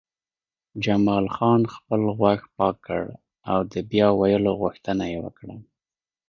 جمال خان خپل غوږ پاک کړ او د بیا ویلو غوښتنه یې وکړه